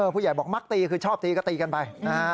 ผู้ใหญ่บอกมักตีคือชอบตีก็ตีกันไปนะฮะ